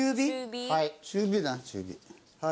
中火だな中火。